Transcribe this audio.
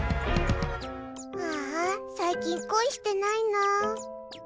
あーあ、最近、恋してないな。